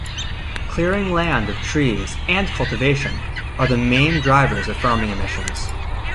Clearing land of trees, and cultivation, are the main drivers of farming emissions.